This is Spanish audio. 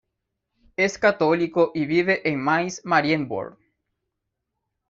Es católico y vive en Mainz-Marienborn.